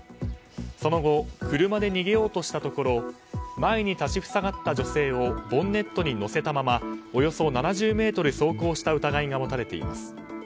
その後車で逃げようとしたところ前に立ち塞がった女性をボンネットに乗せたままおよそ７０ｍ走行した疑いが持たれています。